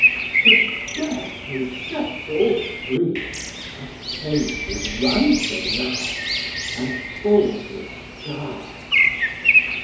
but death who sets all free Hath paid his ransom now and full discharge.